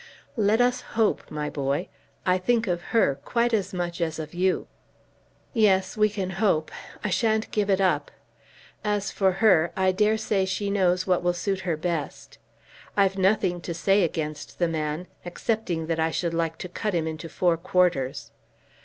"Let us hope, my boy. I think of her quite as much as of you." "Yes, we can hope. I shan't give it up. As for her, I dare say she knows what will suit her best. I've nothing to say against the man, excepting that I should like to cut him into four quarters."